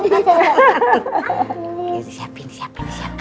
disiapin disiapin disiapin